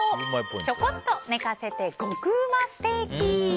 ちょこっと寝かせて極うまステーキ！